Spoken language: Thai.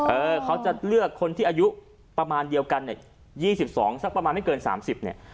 เออเขาจะเลือกคนที่อายุประมาณเดียวกันเนี่ย๒๒สักประมาณไม่เกิน๓๐เนี่ย